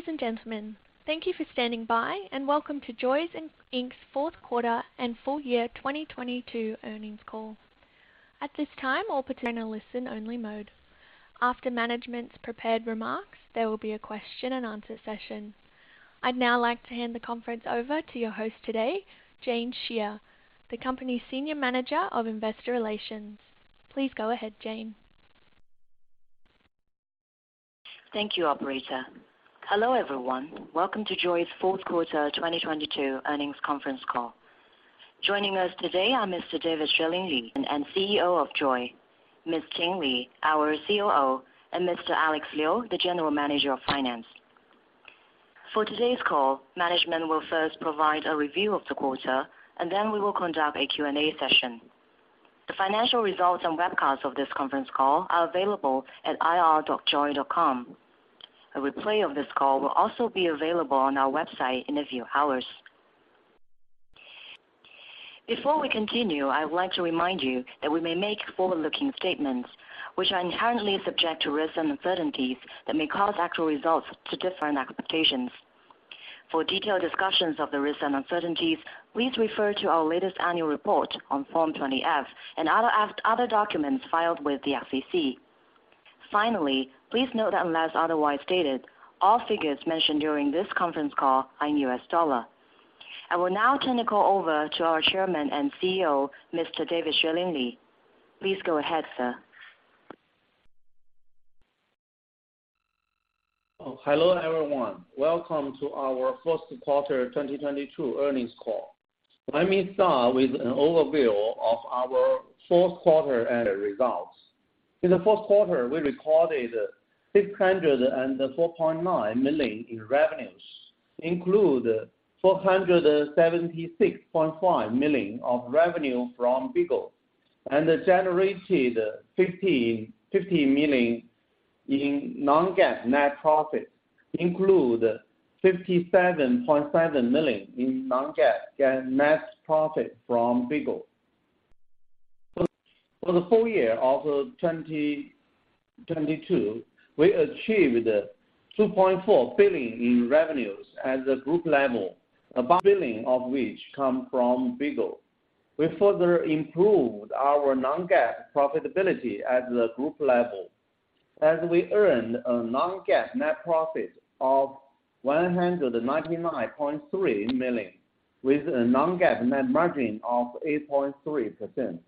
Ladies and gentlemen, thank you for standing by and welcome to JOYY Inc's fourth quarter and full year 2022 earnings call. At this time, all participants are in a listen only mode. After management's prepared remarks, there will be a question and answer session. I'd now like to hand the conference over to your host today, Jane Xie, the company's Senior Manager of Investor Relations. Please go ahead, Jane. Thank you, operator. Hello everyone. Welcome to JOYY's fourth quarter 2022 earnings conference call. Joining us today are Mr. David Xueling Li, CEO of JOYY, Ms. Ting Li, our COO, and Mr. Alex Liu, the General Manager of Finance. For today's call, management will first provide a review of the quarter, and then we will conduct a Q&A session. The financial results and webcasts of this conference call are available at ir.joyy.com. A replay of this call will also be available on our website in a few hours. Before we continue, I would like to remind you that we may make forward-looking statements, which are inherently subject to risks and uncertainties that may cause actual results to differ on applications. For detailed discussions of the risks and uncertainties, please refer to our latest annual report on Form 20-F and other documents filed with the SEC. Finally, please note that unless otherwise stated, all figures mentioned during this conference call are in U.S. dollar. I will now turn the call over to our Chairman and CEO, Mr. David Xueling Li. Please go ahead, sir. Hello, everyone. Welcome to our first quarter 2022 earnings call. Let me start with an overview of our fourth quarter annual results. In the fourth quarter, we recorded $604.9 million in revenues, include $476.5 million of revenue from BIGO and generated $50 million in non-GAAP net profits, include $57.5 million in non-GAAP net profit from BIGO. For the full year of 2022, we achieved $2.4 billion in revenues at the group level, about billion of which come from BIGO. We further improved our non-GAAP profitability at the group level as we earned a non-GAAP net profit of $199.3 million, with a non-GAAP net margin of 8.3%.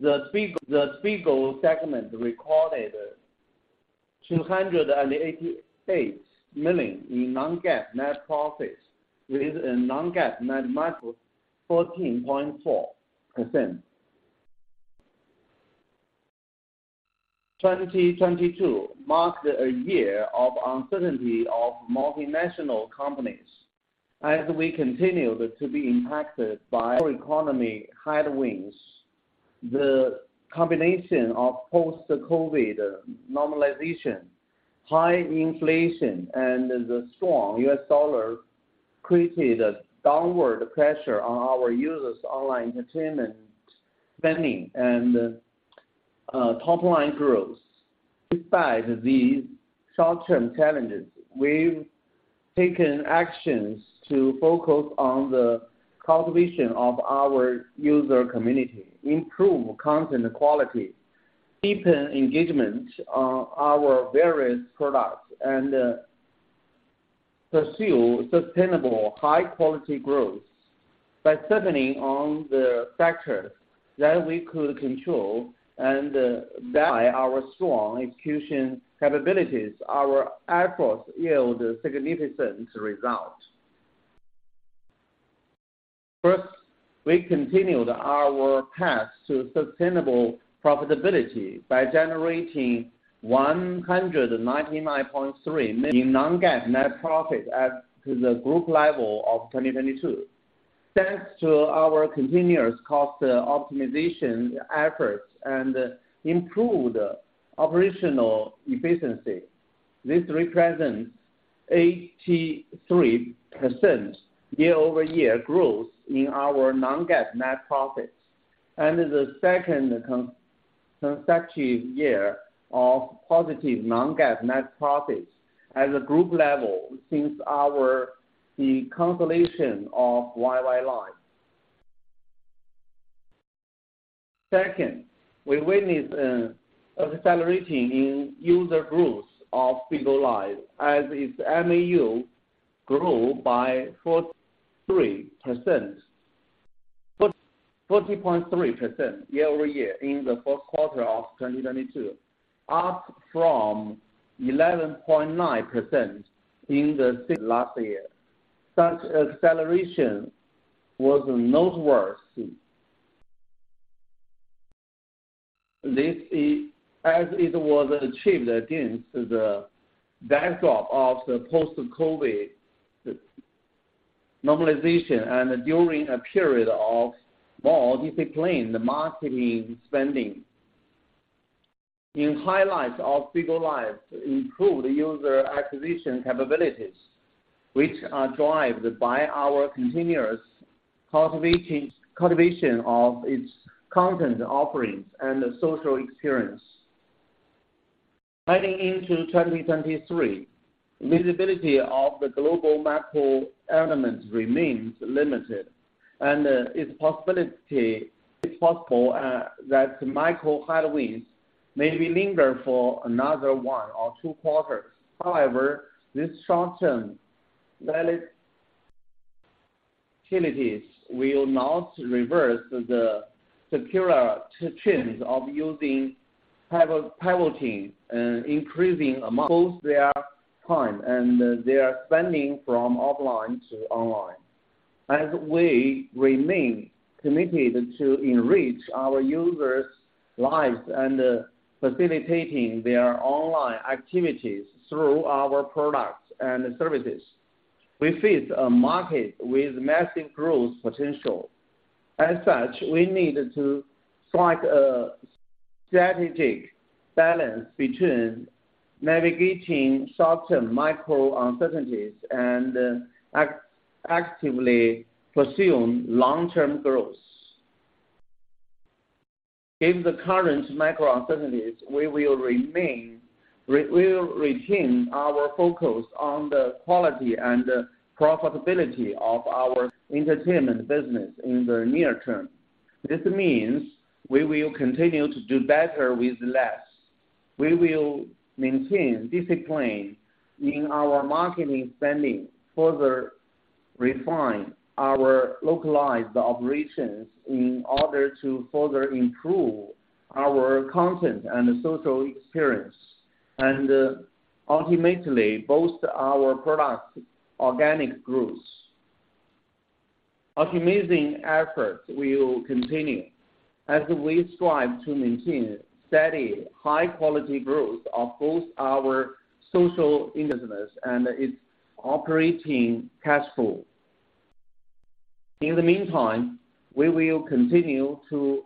The BIGO segment recorded $288 million in non-GAAP net profits, with a non-GAAP net margin of 14.4%. 2022 marked a year of uncertainty of multinational companies as we continued to be impacted by our economy headwinds. The combination of post-COVID normalization, high inflation and the strong U.S. dollar created a downward pressure on our users online entertainment spending and top line growth. Besides these short-term challenges, we've taken actions to focus on the cultivation of our user community, improve content quality, deepen engagement on our various products, and pursue sustainable, high quality growth by focusing on the factors that we could control and by our strong execution capabilities, our efforts yield significant result. First, we continued our path to sustainable profitability by generating $199.3 million non-GAAP net profit at the group level of 2022. Thanks to our continuous cost optimization efforts and improved operational efficiency. This represents 83% year-over-year growth in our non-GAAP net profits. The second consecutive year of positive non-GAAP net profits at the group level since our consolidation of YY Live. Second, we witnessed an accelerating in user growth of Bigo Live as its MAU grew by 43%. 40.3% year-over-year in the first quarter of 2022, up from 11.9% in the same last year. Such acceleration was noteworthy. This is, as it was achieved against the backdrop of the post-COVID normalization and during a period of more disciplined marketing spending. In highlights of Bigo Live improved user acquisition capabilities. Which are driven by our continuous cultivation of its content offerings and social experience. Heading into 2023, visibility of the global macro elements remains limited, and it's possible that micro headwinds may be linger for another 1 or 2 quarters. However, this short-term valid utilities will not reverse the secular trends of using pivoting, increasing amount. Close their time and their spending from offline to online. As we remain committed to enrich our users lives and facilitating their online activities through our products and services, we face a market with massive growth potential. As such, we need to strike a strategic balance between navigating short-term micro uncertainties and actively pursuing long-term growth. In the current micro uncertainties, we will retain our focus on the quality and profitability of our entertainment business in the near term. This means we will continue to do better with less. We will maintain discipline in our marketing spending, further refine our localized operations in order to further improve our content and social experience, ultimately boost our product organic growth. Optimizing efforts will continue as we strive to maintain steady, high quality growth of both our social business and its operating cash flow. In the meantime, we will continue to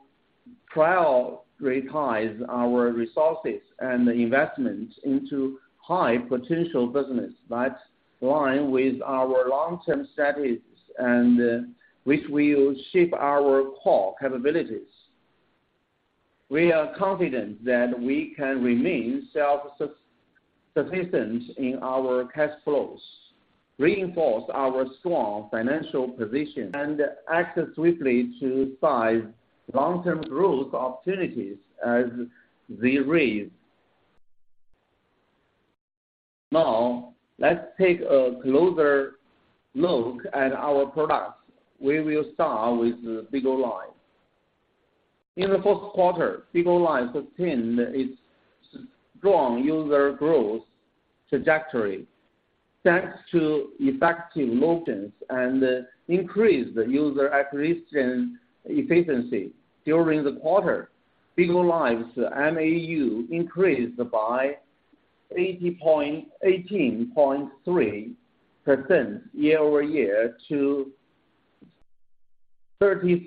prioritize our resources and investment into high potential business that align with our long-term strategies and which will shape our core capabilities. We are confident that we can remain self-sustenance in our cash flows, reinforce our strong financial position, and act swiftly to size long-term growth opportunities as they raise. Let's take a closer look at our products. We will start with the Bigo Live. In the first quarter, Bigo Live sustained its strong user growth trajectory thanks to effective motions and increased user acquisition efficiency. During the quarter, Bigo Live's MAU increased by 18.3% year-over-year to 36.8 million.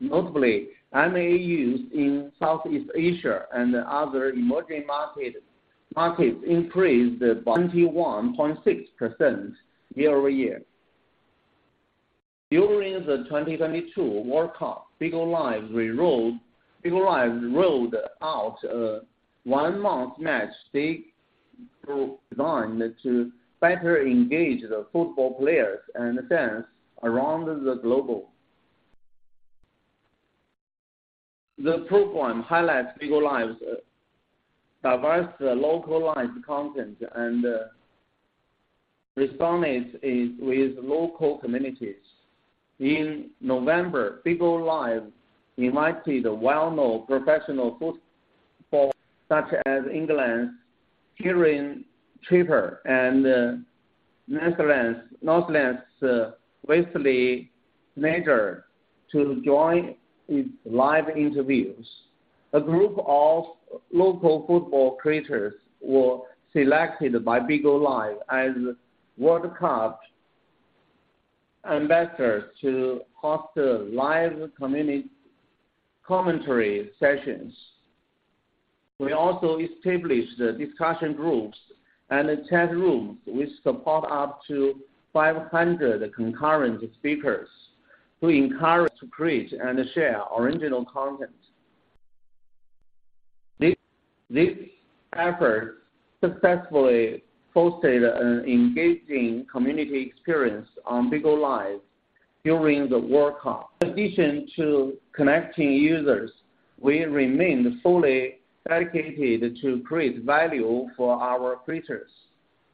Notably, MAUs in Southeast Asia and other emerging markets increased by 21.6% year-over-year. During the 2022 World Cup, Bigo Live rolled out a one-month match day designed to better engage the football players and fans around the global. The program highlights Bigo Live's diverse localized content and resonates it with local communities. In November, Bigo Live invited well-known professional football such as England's Kieran Trippier and Netherlands Wesley Sneijder to join its live interviews. A group of local football creators were selected by Bigo Live as World Cup ambassadors to host live commentary sessions. We also established discussion groups and chat rooms which support up to 500 concurrent speakers to encourage, create, and share original content. These efforts successfully hosted an engaging community experience on Bigo Live during the World Cup. In addition to connecting users, we remain fully dedicated to create value for our creators.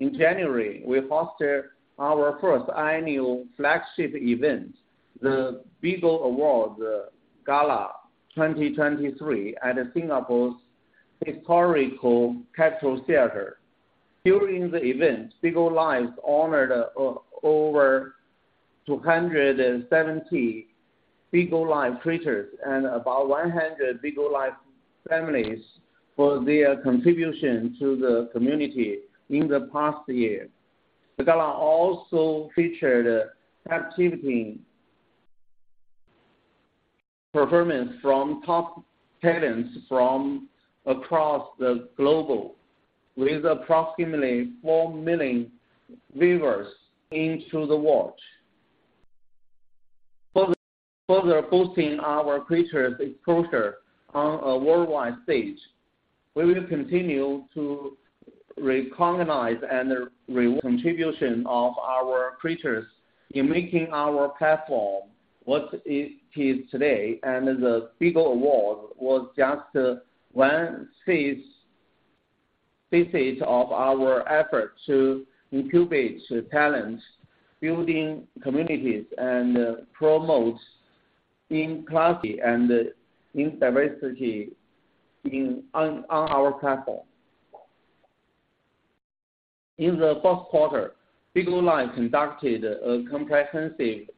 In January, we hosted our first annual flagship event, the BIGO Awards Gala 2023 at Singapore's historical Capitol Theatre. During the event, Bigo Live honored over 270 Bigo Live creators and about 100 Bigo Live families for their contribution to the community in the past year. The gala also featured captivating performance from top talents from across the global with approximately 4 million viewers in to the watch. For further boosting our creators exposure on a worldwide stage, we will continue to recognize and re-contribution of our creators in making our platform what it is today. The BIGO Award was just one phases of our effort to incubate talent, building communities, and promote inclusivity and diversity on our platform. In the first quarter, Bigo Live conducted a comprehensive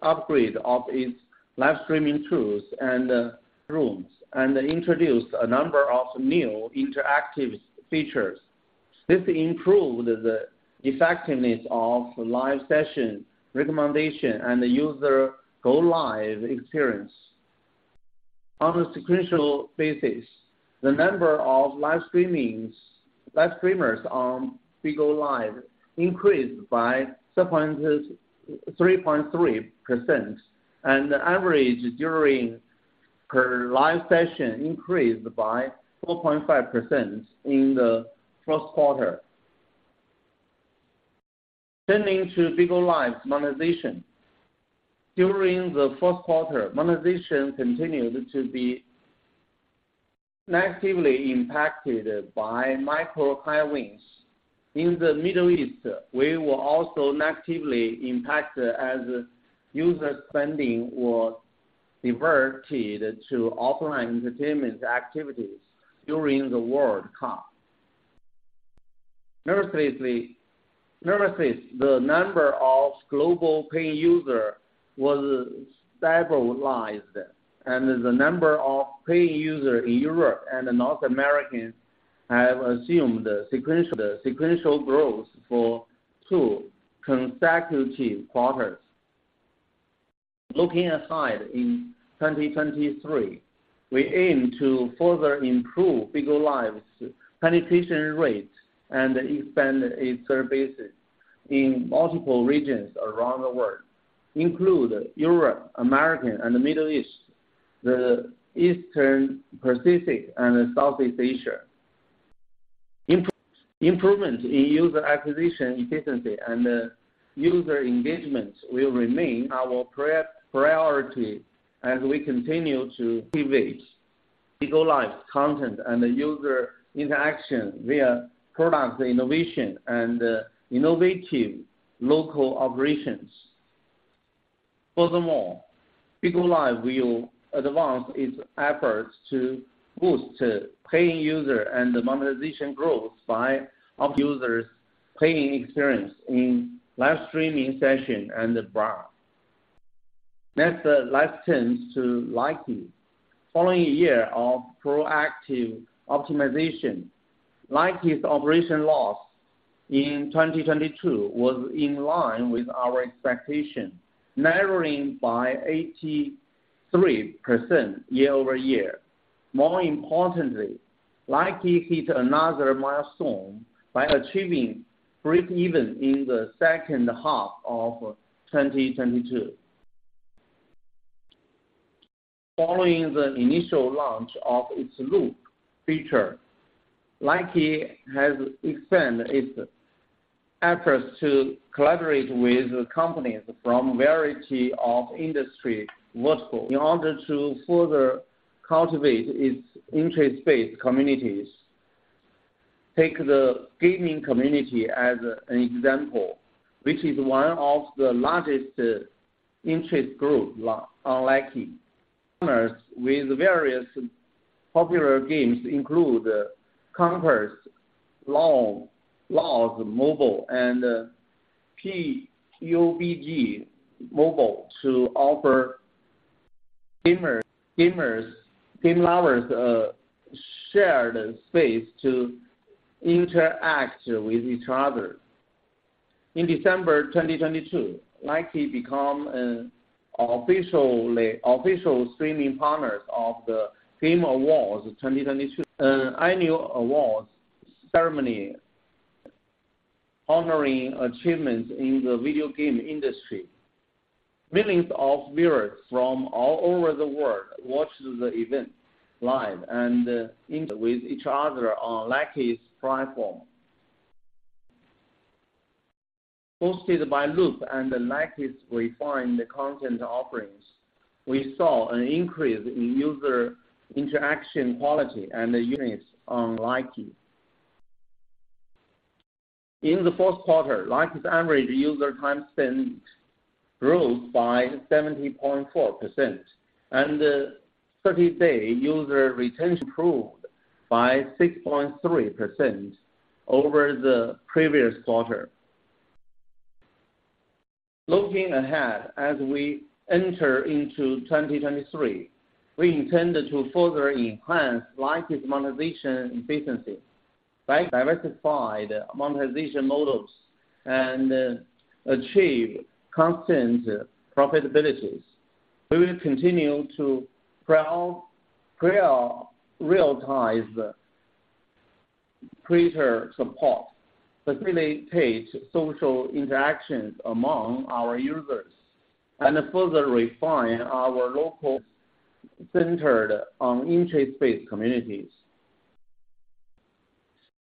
upgrade of its live streaming tools and rooms, and introduced a number of new interactive features. This improved the effectiveness of live session recommendation and user go live experience. On a sequential basis, the number of live streamings, live streamers on Bigo Live increased by 3.3%, and the average during per live session increased by 4.5% in the first quarter. Turning to Bigo Live monetization. During the 1st quarter, monetization continued to be negatively impacted by micro timings. In the Middle East, we were also negatively impacted as user spending was diverted to offline entertainment activities during the World Cup. Nevertheless, the number of global paying user was stabilized, and the number of paying user in Europe and North America have assumed a sequential growth for 2 consecutive quarters. Looking ahead in 2023, we aim to further improve Bigo Live's penetration rates and expand its services in multiple regions around the world, include Europe, America, and the Middle East, the Eastern Pacific, and Southeast Asia. Improvement in user acquisition efficiency and user engagement will remain our priority as we continue to pivot Bigo Live content and user interaction via product innovation and innovative local operations. Furthermore, Bigo Live will advance its efforts to boost paying user and the monetization growth by up users paying experience in live streaming session and brand. Live turns to Likee. Following a year of proactive optimization, Likee's operation loss in 2022 was in line with our expectation, narrowing by 83% year-over-year. More importantly, Likee hit another milestone by achieving breakeven in the second half of 2022. Following the initial launch of its Loop feature, Likee has expanded its efforts to collaborate with companies from variety of industry vertical in order to further cultivate its interest-based communities. Take the gaming community as an example, which is one of the largest interest group on Likee. Partners with various popular games include Conquerors, Lords Mobile, and PUBG Mobile to offer gamers, game lovers a shared space to interact with each other. In December 2022, Likee become an official streaming partners of The Game Awards 2022, an annual awards ceremony honoring achievements in the video game industry. Millions of viewers from all over the world watched the event live and inter with each other on Likee's platform. Hosted by Loop and Likee's refined content offerings, we saw an increase in user interaction quality and units on Likee. In the first quarter, Likee's average user time spent grew by 70.4%, and 30-day user retention improved by 6.3% over the previous quarter. Looking ahead as we enter into 2023, we intend to further enhance Likee's monetization efficiency by diversified monetization models and achieve constant profitabilities, we will continue to prioritize creator support, facilitate social interactions among our users, and further refine our local centered on interest-based communities.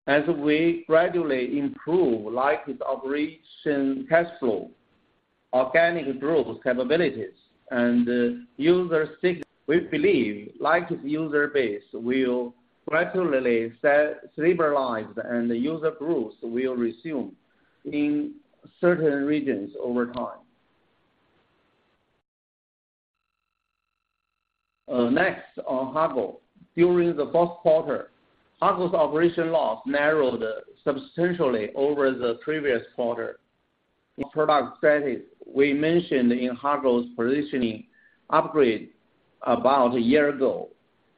As we gradually improve Likee's operation cash flow, organic growth capabilities, and user stick, we believe Likee's user base will gradually stabilize, and user growth will resume in certain regions over time. Next on Hago. During the first quarter, Hago's operation loss narrowed substantially over the previous quarter. Product strategy, we mentioned in Hago's positioning upgrade about a year ago.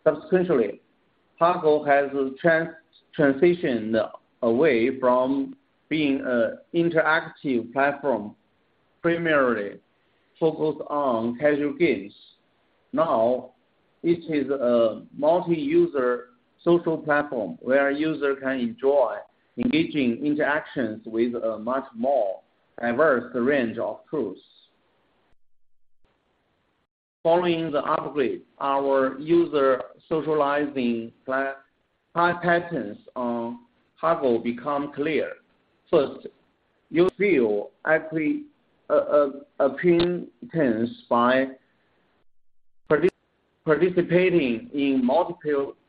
Subsequently, Hago has transitioned away from being an interactive platform primarily focused on casual games. Now, it is a multi-user social platform where a user can enjoy engaging interactions with a much more diverse range of tools. Following the upgrade, our user socializing patterns on Hago become clear. First, you feel acquaintance by participating in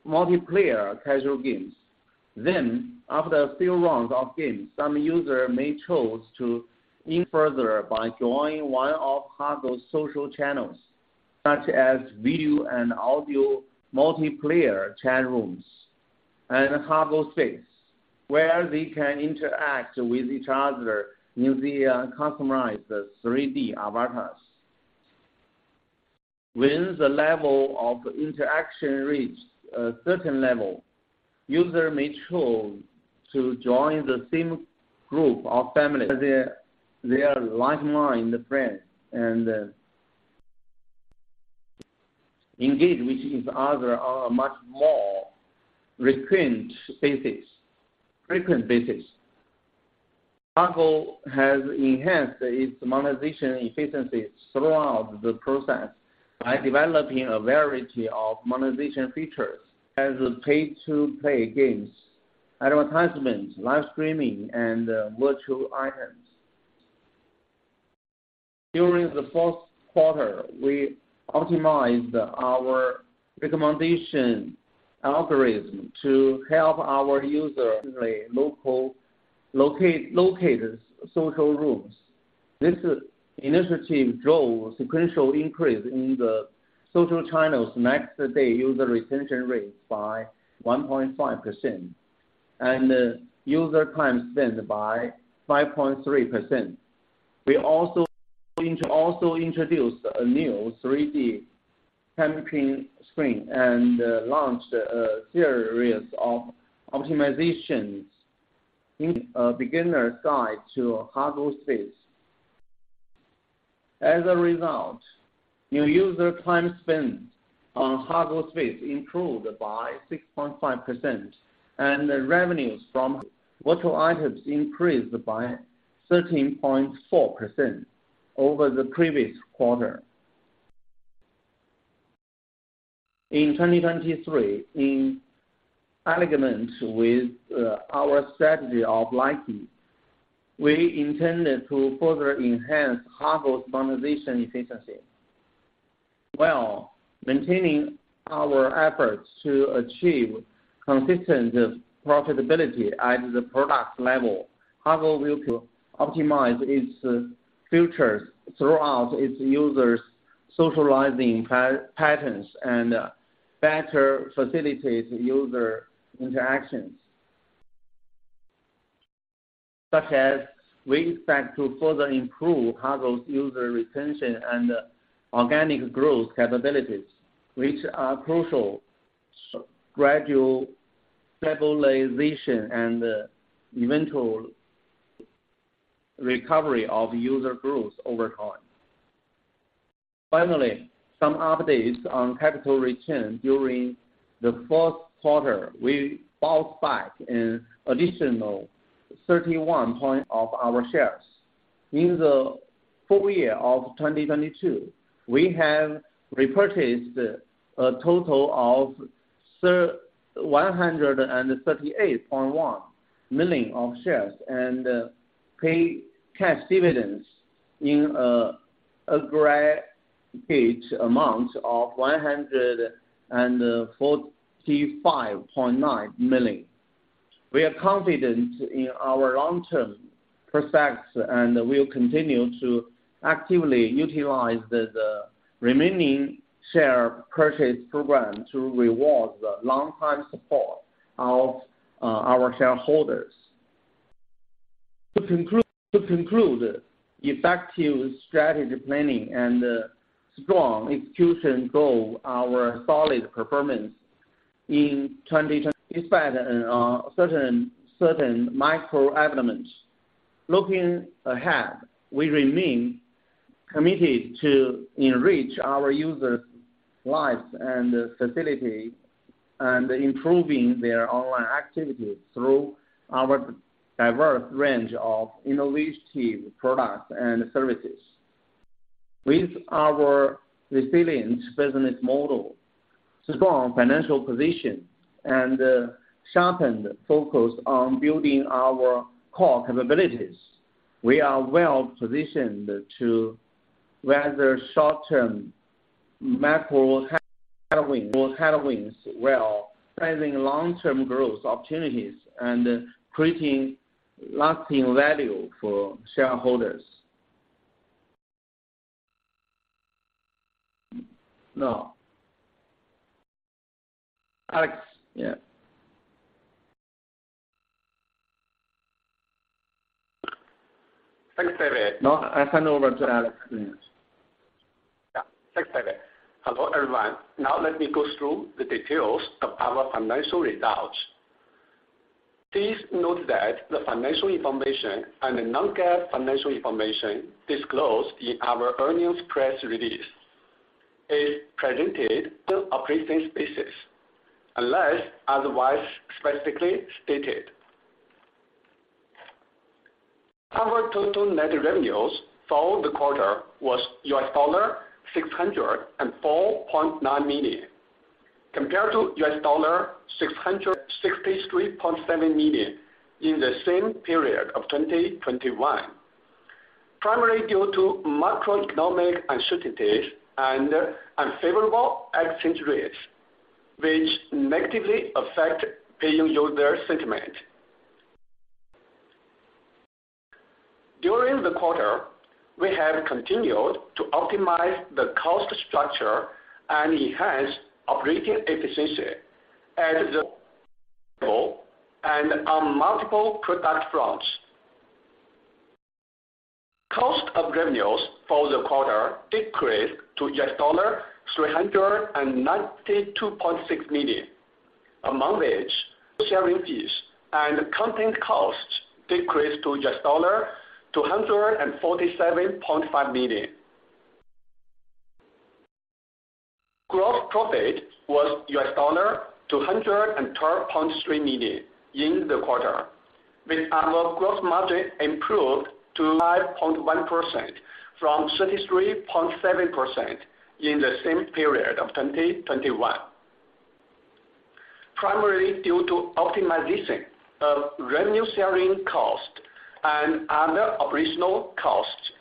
multiplayer casual games. After a few rounds of games, some user may choose to engage further by joining one of Hago's social channels, such as video and audio multiplayer chat rooms and Hago Space, where they can interact with each other using customized 3D avatars. When the level of interaction reached a certain level, user may choose to join the same group or family as their like-mind friends and engage with each other on a much more frequent basis. Hago has enhanced its monetization efficiency throughout the process by developing a variety of monetization features such as pay-to-play games, advertisements, live streaming, and virtual items. During the fourth quarter, we optimized our recommendation algorithm to help our user locate social rooms. This initiative drove sequential increase in the social channels next day user retention rate by 1.5%, and user time spent by 5.3%. We also introduced a new 3D campaign screen and launched a series of optimizations in a beginner's guide to Hago Space. As a result, new user time spent on Hago Space improved by 6.5%, and revenues from virtual items increased by 13.4% over the previous quarter. In 2023, in alignment with our strategy of Likee, we intended to further enhance Hago's monetization efficiency. While maintaining our efforts to achieve consistent profitability at the product level, Hago will optimize its features throughout its users' socializing patterns and better facilitate user interactions. Such as we expect to further improve Hago's user retention and organic growth capabilities, which are crucial gradual stabilization and eventual recovery of user growth over time. Finally, some updates on capital return. During the fourth quarter, we bought back an additional 31 point of our shares. In the full year of 2022, we have repurchased a total of 138.1 million of shares and paid cash dividends in aggregate amount of $145.9 million. We are confident in our long-term prospects and we'll continue to actively utilize the remaining share purchase program to reward the long-time support of our shareholders. To conclude, effective strategy planning and strong execution drove our solid performance in 20-- despite certain macro elements. Looking ahead, we remain committed to enrich our users' lives and facility and improving their online activities through our diverse range of innovative products and services. With our resilient business model, strong financial position, and sharpened focus on building our core capabilities, we are well-positioned to weather short-term macro headwinds while driving long-term growth opportunities and creating lasting value for shareholders. No. Alex. Yeah. Thanks, David. Now, I hand over to Alex, please. Yeah. Thanks, David. Hello, everyone. Let me go through the details of our financial results. Please note that the financial information and the non-GAAP financial information disclosed in our earnings press release is presented on operating basis unless otherwise specifically stated. Our total net revenues for the quarter was $604.9 million, compared to $663.7 million in the same period of 2021. Primarily due to macroeconomic uncertainties and unfavorable exchange rates, which negatively affect paying user sentiment. During the quarter, we have continued to optimize the cost structure and enhance operating efficiency on multiple product fronts. Cost of revenues for the quarter decreased to $392.6 million, among which sharing fees and content costs decreased to $247.5 million. Gross profit was $212.3 million in the quarter, with our gross margin improved to 5.1% from 33.7% in the same period of 2021. Primarily due to optimization of revenue sharing cost and other operational costs.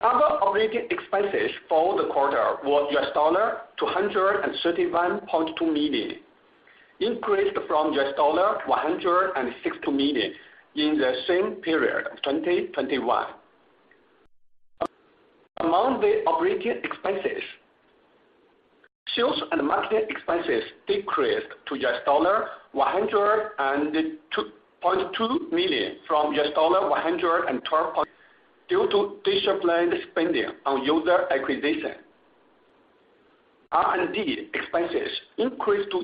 Other operating expenses for the quarter was $231.2 million, increased from $162 million in the same period of 2021. Among the operating expenses, sales & marketing expenses decreased to $102.2 million from $112 point, due to disciplined spending on user acquisition. R&D expenses increased to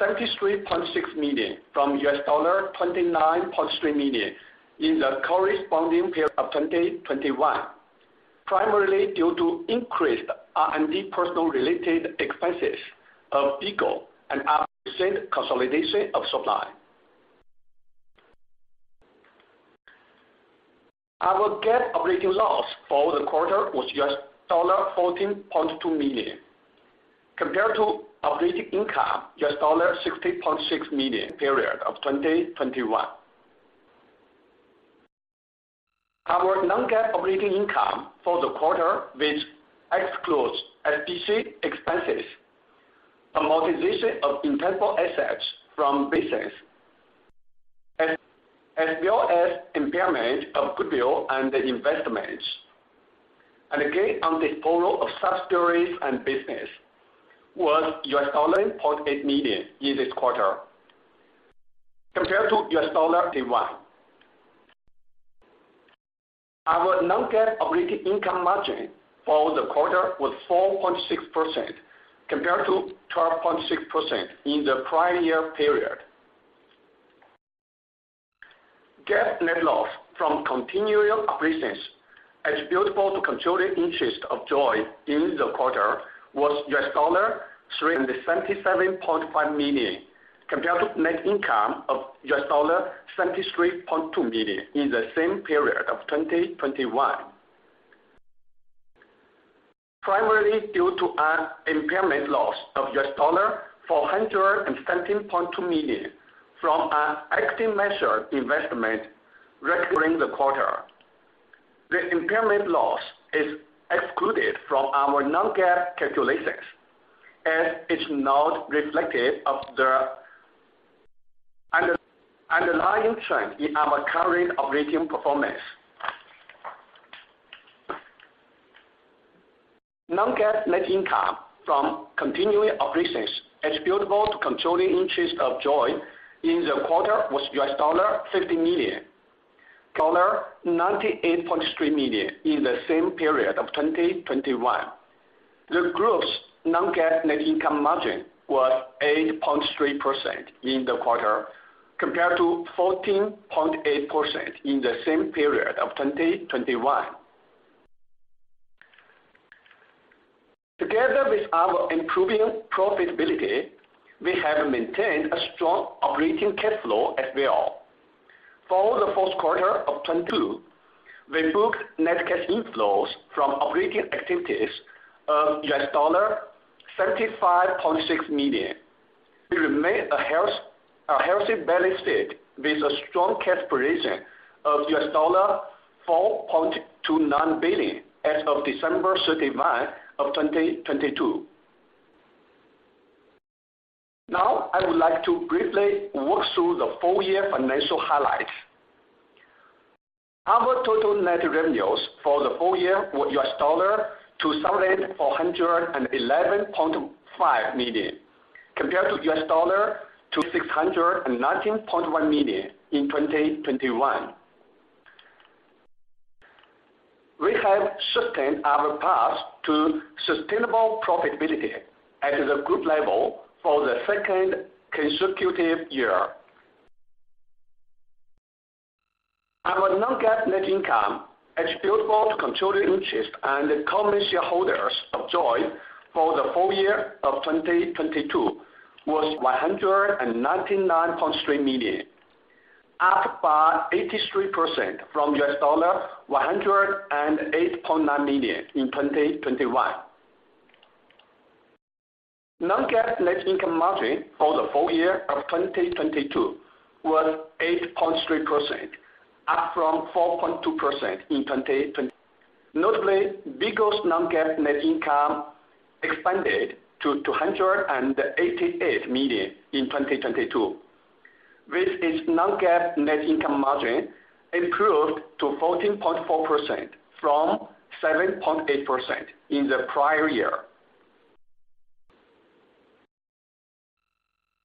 $73.6 million from $29.3 million in the corresponding period of 2021, primarily due to increased R&D personnel-related expenses of BIGO and increased consolidation of supply. Our GAAP operating loss for the quarter was $14.2 million compared to operating income $60.6 million period of 2021. Our non-GAAP operating income for the quarter, which excludes SBC expenses, amortization of intangible assets from business, as well as impairment of goodwill and investments, and gain on disposal of subsidiaries and business, was $0.8 million in this quarter compared to $81. Our non-GAAP operating income margin for the quarter was 4.6% compared to 12.6% in the prior year period. GAAP net loss from continuing operations attributable to controlling interest of JOYY in the quarter was $377.5 million, compared to net income of $73.2 million in the same period of 2021. Primarily due to an impairment loss of $417.2 million from an equity measured investment recognizing the quarter. The impairment loss is excluded from our non-GAAP calculations, as it's not reflective of the underlying trend in our current operating performance. Non-GAAP net income from continuing operations attributable to controlling interest of JOYY in the quarter was $50 million. $98.3 million in the same period of 2021. The group's non-GAAP net income margin was 8.3% in the quarter compared to 14.8% in the same period of 2021. Together with our improving profitability, we have maintained a strong operating cash flow as well. For the fourth quarter of 2022, we booked net cash inflows from operating activities of $75.6 million. We remain a healthy balance state with a strong cash position of $4.29 billion as of December 31, 2022. I would like to briefly walk through the full year financial highlights. Our total net revenues for the full year were $211.5 million, compared to $219.1 million in 2021. We have sustained our path to sustainable profitability at the group level for the second consecutive year. Our non-GAAP net income attributable to controlling interest and common shareholders of JOYY for the full year of 2022 was $199.3 million, up by 83% from $108.9 million in 2021. Non-GAAP net income margin for the full year of 2022 was 8.3%, up from 4.2% in 2022. Notably, BIGO's non-GAAP net income expanded to $288 million in 2022, with its non-GAAP net income margin improved to 14.4% from 7.8% in the prior year.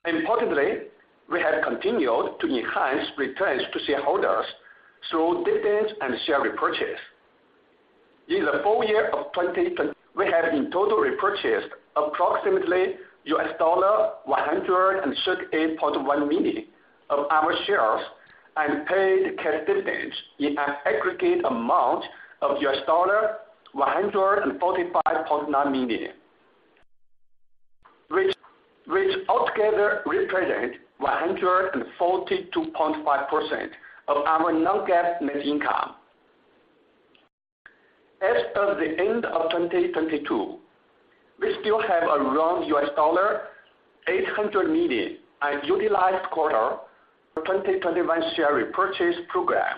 Importantly, we have continued to enhance returns to shareholders through dividends and share repurchase. In the full year of 2022, we have in total repurchased approximately $168.1 million of our shares and paid cash dividends in an aggregate amount of $145.9 million, which altogether represent 142.5% of our non-GAAP net income. As of the end of 2022, we still have around $800 million unutilized quarter for 2021 share repurchase program.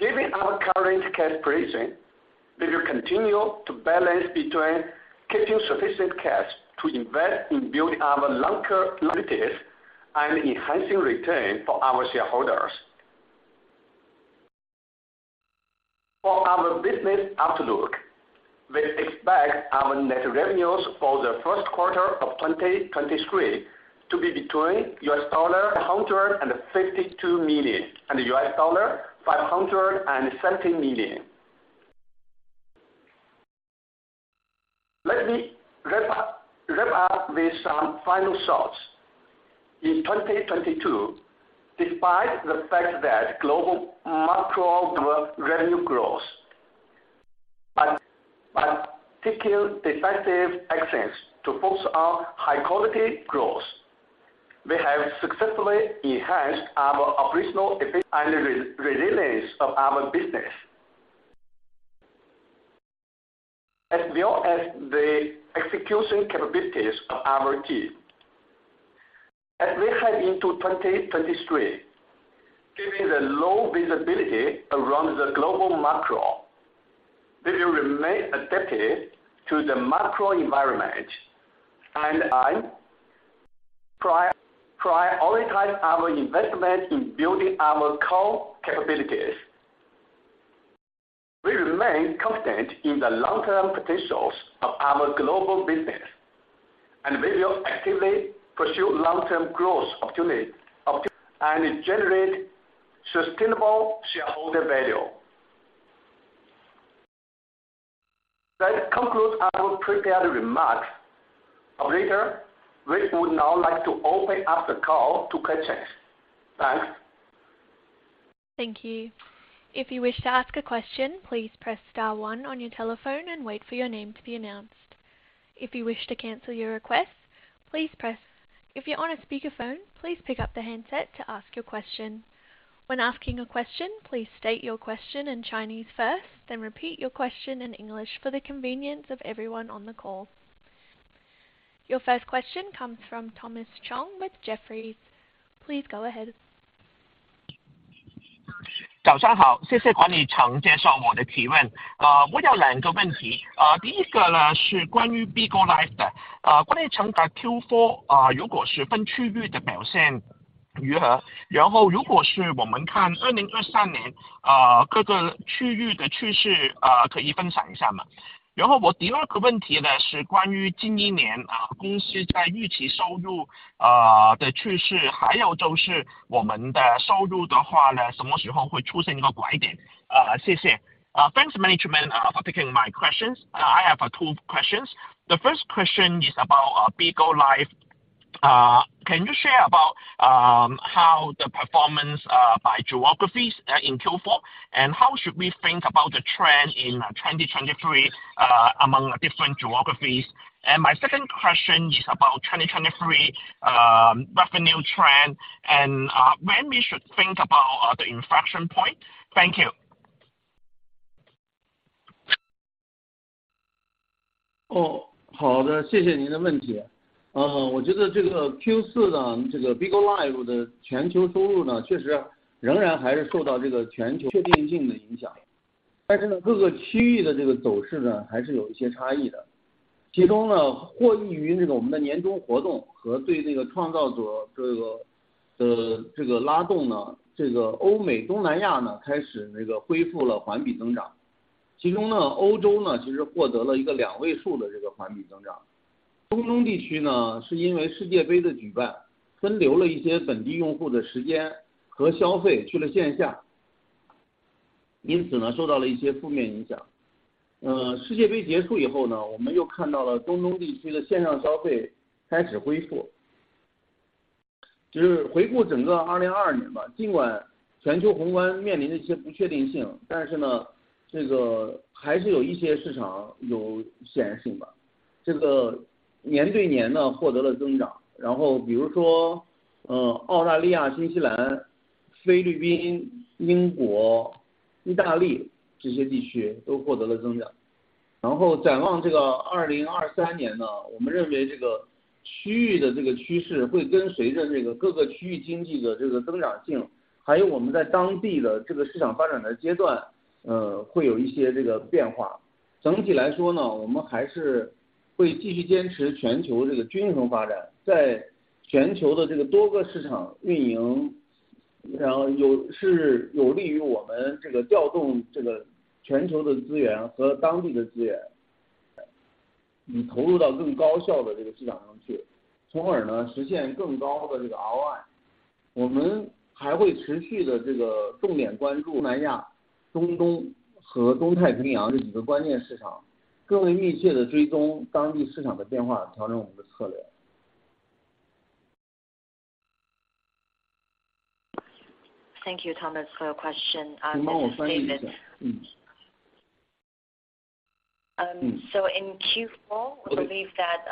Given our current cash position, we will continue to balance between keeping sufficient cash to invest in building our longer liabilities and enhancing return for our shareholders. For our business outlook, we expect our net revenues for the first quarter of 2023 to be between $552 million and $570 million. Let me wrap up with some final thoughts. In 2022, despite the fact that global macro revenue growth, but by taking defensive actions to focus on high quality growth, we have successfully enhanced our operational efficiency and resilience of our business. As well as the execution capabilities of our team. As we head into 2023, given the low visibility around the global macro, we will remain adaptive to the macro environment and prioritize our investment in building our core capabilities. We remain confident in the long-term potentials of our global business, and we will actively pursue long-term growth opportunities and generate sustainable shareholder value. That concludes our prepared remarks. Operator, we would now like to open up the call to questions. Thanks. Thank you. If you wish to ask a question, please press star one on your telephone and wait for your name to be announced. If you wish to cancel your request. If you're on a speaker phone, please pick up the handset to ask your question. When asking a question, please state your question in Chinese first, then repeat your question in English for the convenience of everyone on the call. Your first question comes from Thomas Chong with Jefferies. Please go ahead. 然后如果是我们看2023 年， 各个区域的趋 势， 可以分享一下 吗？ 然后我第二个问题 呢， 是关于近一年公司在预期收入的趋 势， 还有就是我们的收入的话 呢， 什么时候会出现一个拐 点？ 谢 谢. Thanks management for taking my questions. I have two questions. The first question is about Bigo Live. Can you share about how the performance by geographies in Q4? How should we think about the trend in 2023 among different geographies? My second question is about 2023, revenue trend and when we should think about the inflection point. Thank you. 哦， 好 的， 谢谢您的问题。呃， 我觉得这个 Q4 呢，这个 Bigo Live 的全球收入 呢， 确实仍然还是受到这个全球确定性的影响。但是 呢， 各个区域的这个走势 呢， 还是有一些差异的。其中 呢， 获益于这个我们的年中活动和对这个创造者这 个， 呃， 这个拉动 呢， 这个欧美东南亚 呢， 开始这个恢复了环比增长。其中 呢， 欧洲 呢， 其实获得了一个两位数的这个环比增长。中东地区 呢， 是因为世界杯的举 办， 分流了一些本地用户的时间和消费去了线 下， 因此 呢， 受到了一些负面影响。呃， 世界杯结束以后 呢， 我们又看到了中东地区的线上消费开始恢复。就是回顾整个2022年 吧， 尽管全球宏观面临着一些不确定 性， 但是 呢， 这个还是有一些市场有显性 的， 这个年对年呢获得了增长。然后比如 说， 呃， 澳大利亚、新西兰、菲律宾、英国、意大利这些地区都获得了增长。然后展望这个2023年 呢， 我们认为这个区域的这个趋势会跟随着这个各个区域经济的这个增长 性， 还有我们在当地的这个市场发展的阶 段， 呃， 会有一些这个变化。整体来说 呢， 我们还是会继续坚持全球这个均衡发 展， 在全球的这个多个市场运 营， 然后有--是有利于我们这个调动这个全球的资源和当地的资 源， 你投入到更高效的这个市场上 去， 从而呢实现更高的这个 ROI。我们还会持续地这个重点关注南亚、中东和东太平洋这几个关键市场，更为密切地追踪当地市场的变 化， 调整我们的策略。Thank you Thomas for your question. This is David. 你帮我翻译一下。In Q4, we believe that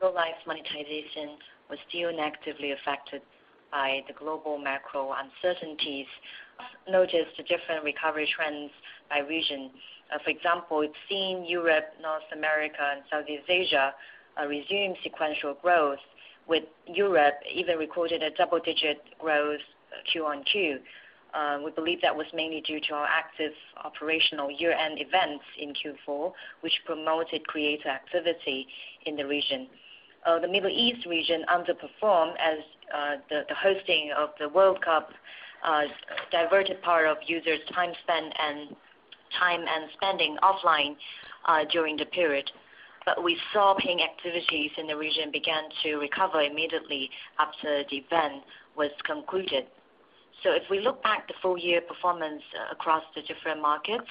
Bigo Live monetization was still negatively affected by the global macro uncertainties. We noticed the different recovery trends by region. For example, we've seen Europe, North America, and Southeast Asia resume sequential growth, with Europe even recorded a double-digit growth Q on Q. We believe that was mainly due to our active operational year-end events in Q4, which promoted creator activity in the region. The Middle East region underperformed as the hosting of the World Cup diverted part of users' time spend and time and spending offline during the period. We saw paying activities in the region began to recover immediately after the event was concluded. If we look back the full year performance across the different markets,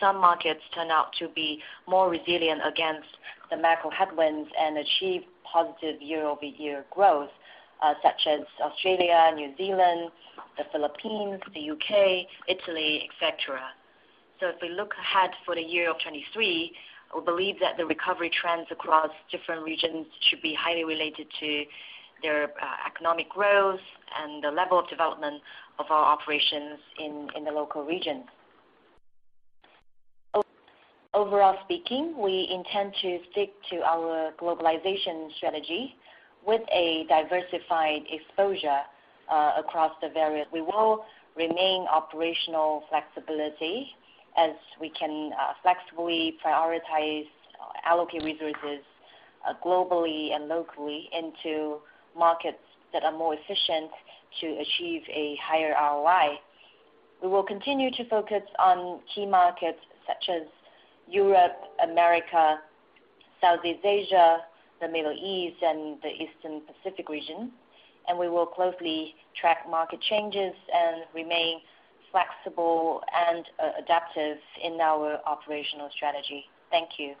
some markets turn out to be more resilient against the macro headwinds and achieve positive year-over-year growth, such as Australia, New Zealand, the Philippines, the U.K., Italy, etc. If we look ahead for the year of 2023, we believe that the recovery trends across different regions should be highly related to their economic growth and the level of development of our operations in the local regions. Overall speaking, we intend to stick to our globalization strategy with a diversified exposure, across the various. We will remain operational flexibility as we can, flexibly prioritize, allocate resources, globally and locally into markets that are more efficient to achieve a higher ROI. We will continue to focus on key markets such as Europe, America, Southeast Asia, the Middle East, and the Eastern Pacific Region, and we will closely track market changes and remain flexible and adaptive in our operational strategy. Thank you.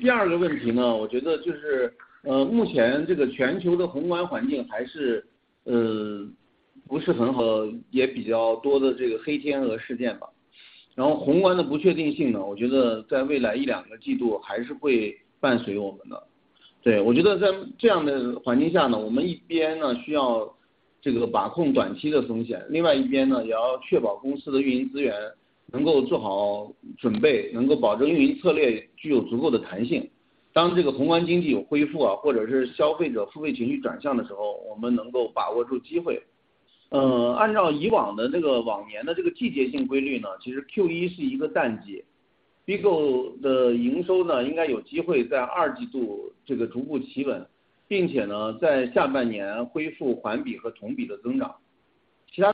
第二个问题 呢，我 觉得就 是，目 前这个全球的宏观环境还 是，不 是很 好，也 比较多的这个黑天鹅事件吧。宏观的不确定性 呢，我 觉得在未来 1-2个 季度还是会伴随我们的。我觉得在这样的环境下 呢，我 们一边呢需要这个把控短期的风 险，另 外一边呢也要确保公司的运营资源能够做好准 备，能 够保证运营策略具有足够的弹性。当这个宏观经济有恢 复，或 者是消费者付费情绪转向的时 候，我 们能够把握住机会。呃按照以往的这个往年的这个季节性规律 呢， 其实 Q1 是一个淡季 ，Bigo 的营收 呢， 应该有机会在二季度这个逐步企 稳， 并且 呢， 在下半年恢复环比和同比的增长。其他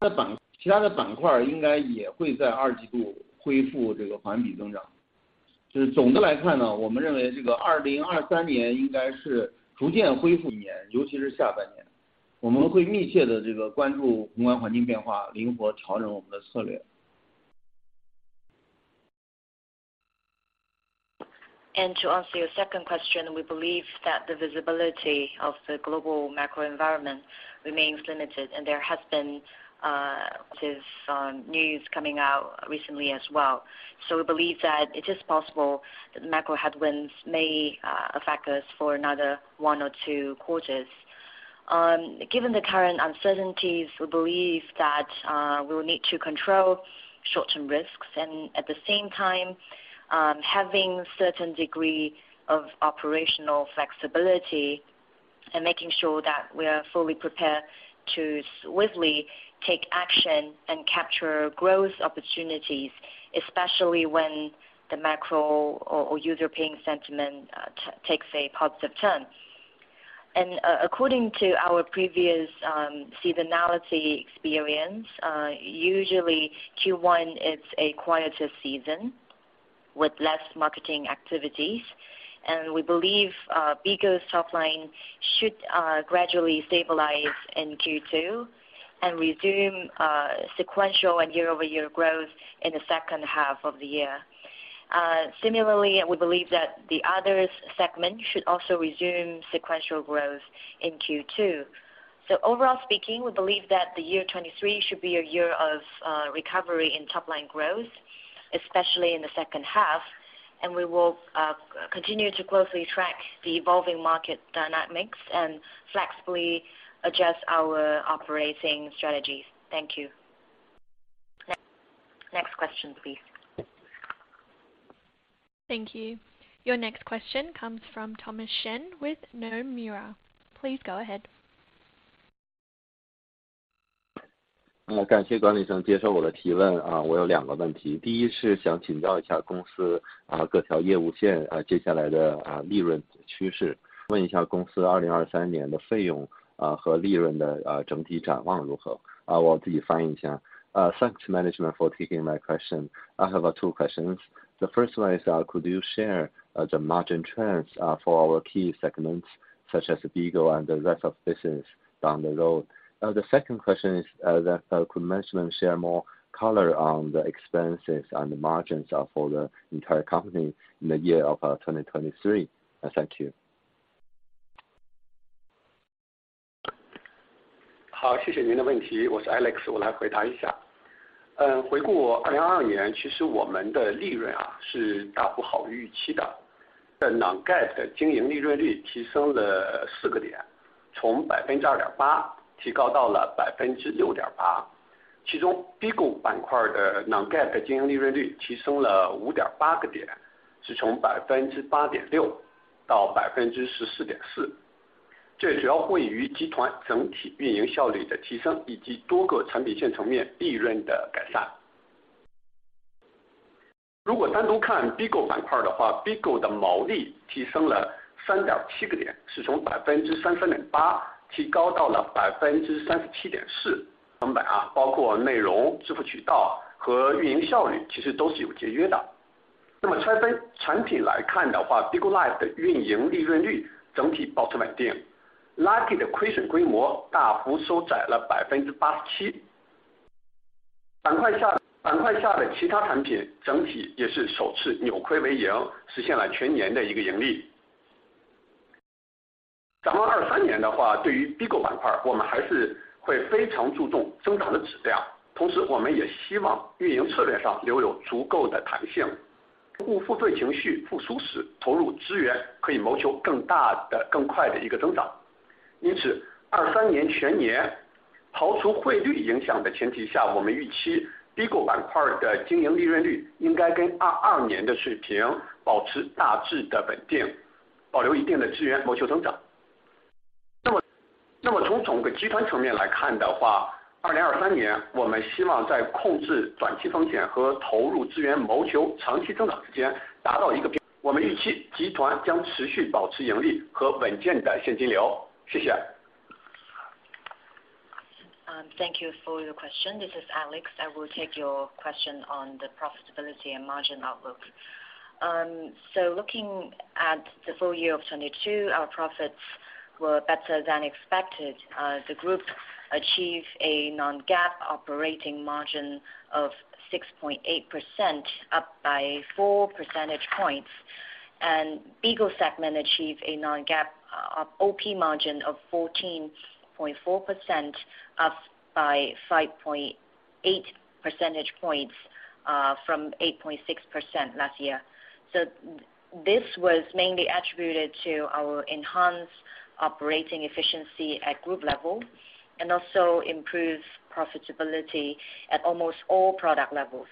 的 板， 其他的板块应该也会在二季度恢复这个环比增长。就是总的来看 呢， 我们认为这个2023年应该是逐渐恢复 年， 尤其是下半年，我们会密切地这个关注宏观环境变 化， 灵活调整我们的策略。To answer your second question, we believe that the visibility of the global macro environment remains limited and there has been this news coming out recently as well. We believe that it is possible that the macro headwinds may affect us for another 1 or 2 quarters. Given the current uncertainties, we believe that we will need to control short term risks and at the same time, having certain degree of operational flexibility and making sure that we are fully prepared to swiftly take action and capture growth opportunities, especially when the macro or user paying sentiment takes a positive turn. According to our previous seasonality experience, usually Q1 is a quieter season with less marketing activities. We believe Bigo's top line should gradually stabilize in Q2 and resume sequential and year-over-year growth in the second half of the year. Similarly, we believe that the others segment should also resume sequential growth in Q2. Overall speaking, we believe that the year 2023 should be a year of recovery in top line growth, especially in the second half. We will continue to closely track the evolving market dynamics and flexibly adjust our operating strategies. Thank you. Next question, please. Thank you. Your next question comes from Thomas Shen with Nomura. Please go ahead. 感谢管理层接受我的提 问， 我有两个问 题， 第一是想请教一下公 司， 各条业务 线， 接下来 的， 利润趋 势， 问一下公司2023年的费用和利润 的， 整体展望如 何？ 我自己翻译一下。Thanks management for taking my question. I have two questions. The first one is, could you share the margin trends for our key segments such as BIGO and the rest of business down the road? The second question is, that, could management share more color on the expenses and the margins, for the entire company in the year of 2023? Thank you. 好， 谢谢您的问 题， 我是 Alex， 我来回答一下。嗯回顾2022 年， 其实我们的利润啊是大幅好于预期的。在 Non-GAAP 的经营利润率提升了四个 点， 从百分之二点八提高到了百分之六点 八， 其中 Bigo 板块的 Non-GAAP 经营利润率提升了五点八个 点， 是从百分之八点六到百分之十四点四。这主要归于集团整体运营效率的提 升， 以及多个产品线层面利润的改善。如果单独看 Bigo 板块的话 ，Bigo 的毛利提升了三点七个 点， 是从百分之三三点八提高到了百分之三十七点四。成本 啊， 包括内容、支付渠道和运营效 率， 其实都是有节约的。那么拆分产品来看的话 ，Bigo Live 的运营利润率整体保持稳定 ，Lucky 的亏损规模大幅收窄了百分之八十七。板块 下， 板块下的其他产品整体也是首次扭亏为 盈， 实现了全年的一个盈利。展望23年的 话， 对于 Bigo 板块我们还是会非常注重增长的质 量， 同时我们也希望运营策略上留有足够的弹 性， 用户付费情绪复苏 时， 投入资源可以谋求更大的、更快的一个增长。因 此， 二三年全 年， 刨除汇率影响的前提 下， 我们预期 Bigo 板块的经营利润率应该跟二二年的水平保持大致的稳 定， 保留一定的资源谋求增长。那 么， 那么从整个集团层面来看的话 ，2023 年我们希望在控制短期风险和投入资源谋求长期增长之间达到一个平衡。我们预期集团将持续保持盈利和稳健的现金流。谢谢。Thank you for your question. This is Alex. I will take your question on the profitability and margin outlook. Looking at the full year of 2022, our profits were better than expected. The group achieved a non-GAAP operating margin of 6.8%, up by 4 percentage points. BIGO segment achieved a non-GAAP O-OP margin of 14.4%, up by 5.8 percentage points, from 8.6% last year. This was mainly attributed to our enhanced operating efficiency at group level and also improved profitability at almost all product levels.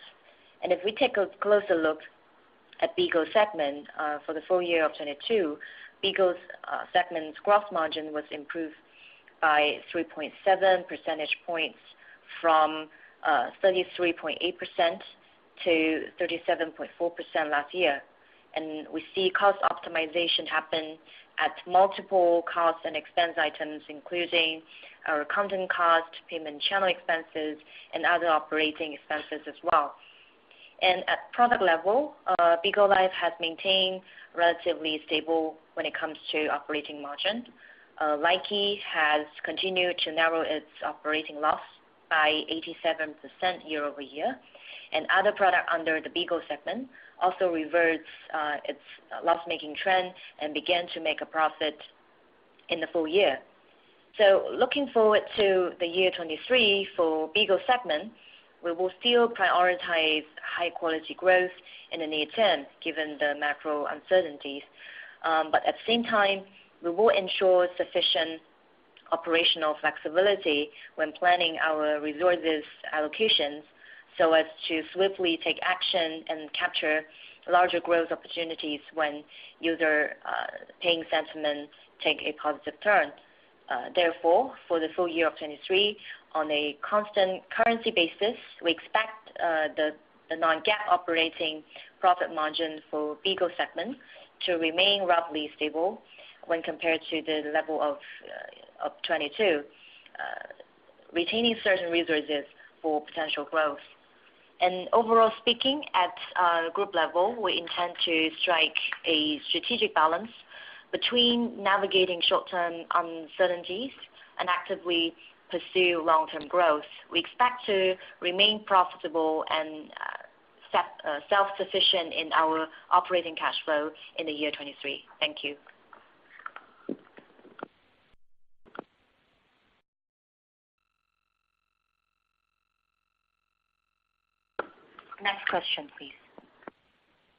If we take a closer look at BIGO segment, for the full year of 2022, BIGO's segment's growth margin was improved by 3.7 percentage points from 33.8% to 37.4% last year. We see cost optimization happen at multiple cost and expense items, including our content cost, payment channel expenses, and other operating expenses as well. At product level, Bigo Live has maintained relatively stable when it comes to operating margin. Likee has continued to narrow its operating loss by 87% year-over-year, and other product under the BIGO segment also reverts its loss-making trend and began to make a profit in the full year. Looking forward to 2023, for BIGO segment, we will still prioritize high quality growth in the near term, given the macro uncertainties. At the same time, we will ensure sufficient operational flexibility when planning our resources allocations, so as to swiftly take action and capture larger growth opportunities when user, paying sentiments take a positive turn. Therefore, for the full year of 2023, on a constant currency basis, we expect the non-GAAP operating profit margin for BIGO segment to remain roughly stable when compared to the level of 2022, retaining certain resources for potential growth. Overall speaking, at group level, we intend to strike a strategic balance between navigating short-term uncertainties and actively pursue long-term growth. We expect to remain profitable and self-sufficient in our operating cash flow in the year 2023. Thank you. Next question, please.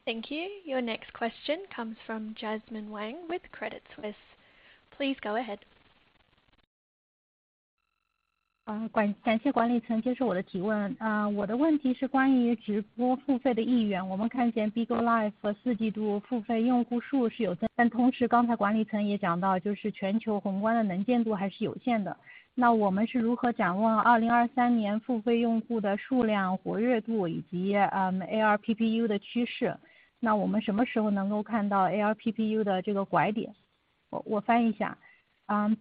Thank you. Your next question comes from Jasmine Wang with Credit Suisse. Please go ahead.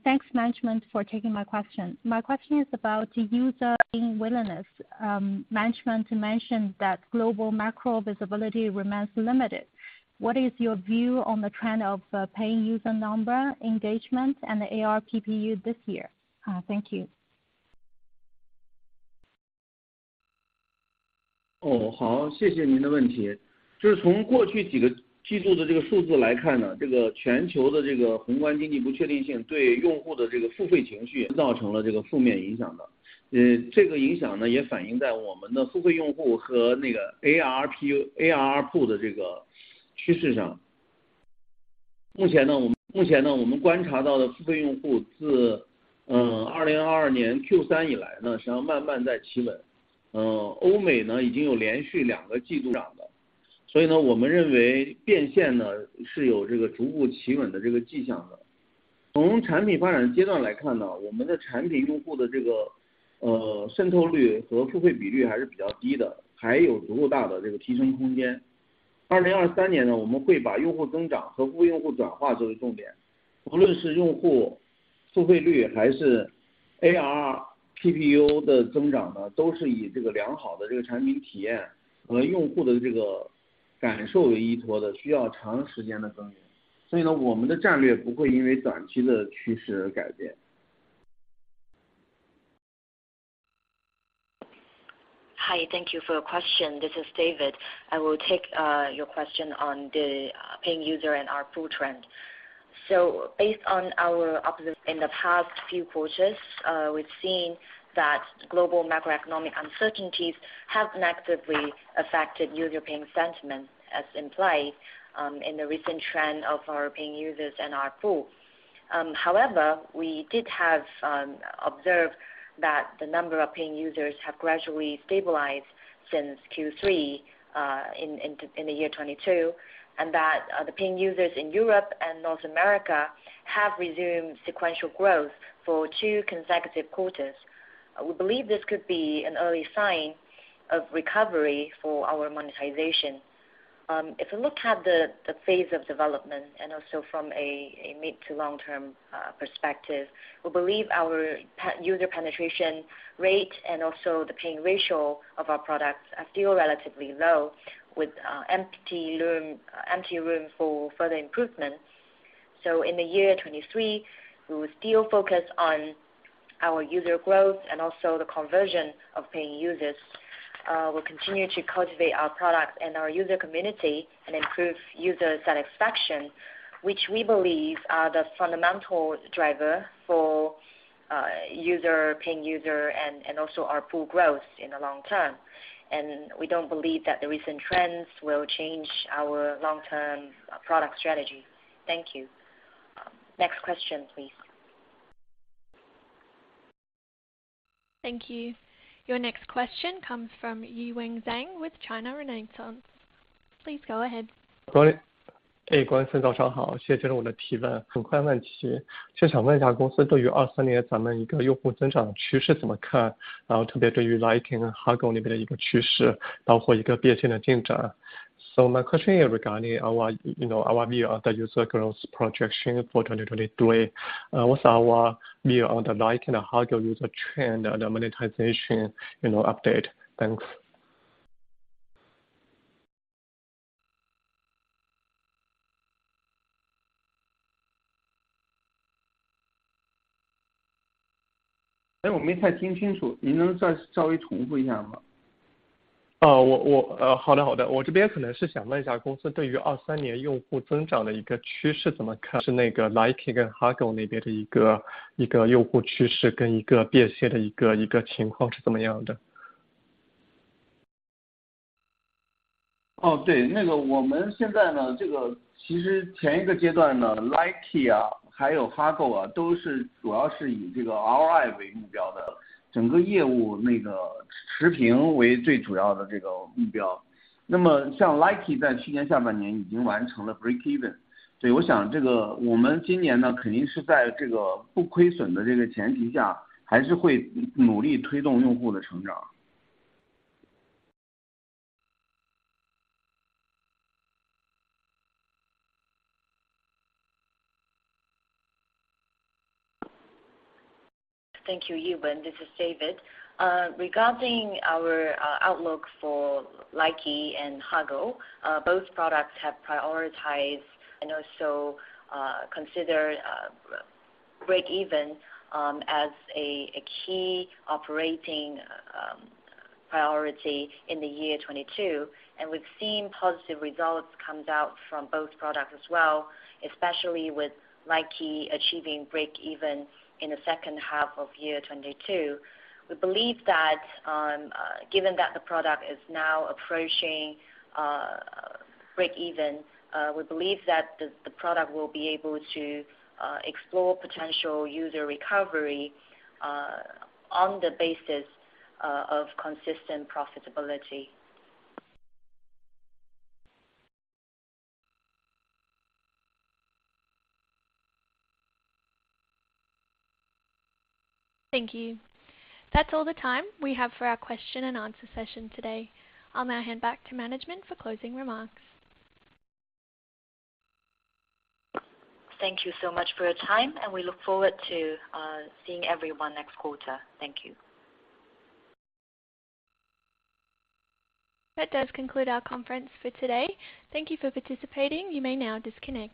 Thanks management for taking my question. My question is about user paying willingness. Management mentioned that global macro visibility remains limited. What is your view on the trend of paying user number engagement and the ARPU this year? Thank you. How. Hi. Thank you for your question. This is David. I will take your question on the paying user and ARPU trend. Based on our observations in the past few quarters, we've seen that global macroeconomic uncertainties have negatively affected user paying sentiment as implied in the recent trend of our paying users and ARPU. However, we did have observed that the number of paying users have gradually stabilized since Q3 in the year 2022, and that the paying users in Europe and North America have resumed sequential growth for 2 consecutive quarters. We believe this could be an early sign of recovery for our monetization. If we look at the phase of development and also from a mid to long-term perspective, we believe our user penetration rate and also the paying ratio of our products are still relatively low with empty room for further improvement. In the year 2023, we will still focus on our user growth and also the conversion of paying users. We'll continue to cultivate our products and our user community and improve user satisfaction, which we believe are the fundamental driver for user, paying user and also ARPU growth in the long term. We don't believe that the recent trends will change our long-term product strategy. Thank you. Next question please. Thank you. Your next question comes from Yiwen Zhang with China Renaissance. Please go ahead. My question is regarding our, you know, our view of the user growth projection for 2023. What's our view on the Like and Hago user trend and the monetization, you know, update? Thanks. 我好的。我这边可能是想问一下公司对于2023年用户增长的一个趋势怎么看。是那个 Like 跟 Hago 那边的一个用户趋 势， 跟一个变现的一个情况是怎么样的。哦， 对， 那个我们现在 呢， 这个其实前一个阶段呢 ，Like 啊， 还有 Hago 啊， 都是主要是以这个 RI 为目标的，整个业务那个持平为最主要的这个目标。那么像 Like 在去年下半年已经完成了 break even。对， 我想这个我们今年 呢， 肯定是在这个不亏损的这个前提 下， 还是会努力推动用户的成长。Thank you, Yiwen. This is David. Regarding our outlook for Likee and Hago, both products have prioritized and also considered break even as a key operating priority in the year 2022. We've seen positive results comes out from both products as well, especially with Likee achieving break even in the second half of 2022. We believe that given that the product is now approaching break even, we believe that the product will be able to explore potential user recovery on the basis of consistent profitability. Thank you. That's all the time we have for our question and answer session today. I'll now hand back to management for closing remarks. Thank you so much for your time, and we look forward to seeing everyone next quarter. Thank you. That does conclude our conference for today. Thank you for participating. You may now disconnect.